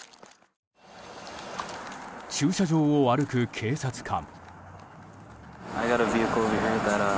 駐車場を歩く、警察官。